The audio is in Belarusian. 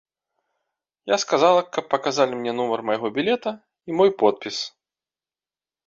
Я сказала, каб паказалі мне нумар майго білета і мой подпіс.